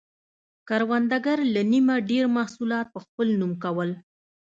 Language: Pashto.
کروندګرو له نییمه ډېر محصولات په خپل نوم کول.